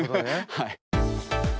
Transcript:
はい。